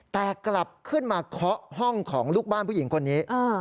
แต่กลับขึ้นมาเคาะห้องของลูกบ้านผู้หญิงคนนี้